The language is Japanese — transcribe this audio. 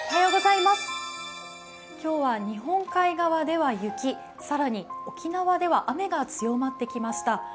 今日は日本海側では雪、更に沖縄では雨が強まってきました。